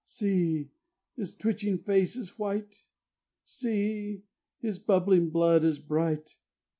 See! His twitching face is white! See! His bubbling blood is bright.